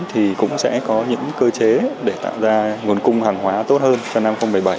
thì cũng sẽ có những cơ chế để tạo ra nguồn cung hàng hóa tốt hơn cho năm hai nghìn một mươi bảy